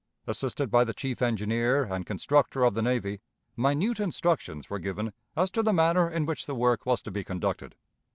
Assisted by the chief engineer and constructor of the navy, minute instructions were given as to the manner in which the work was to be conducted.